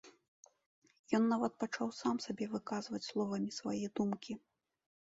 Ён нават пачаў сам сабе выказваць словамі свае думкі.